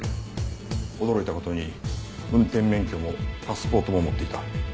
驚いた事に運転免許もパスポートも持っていた。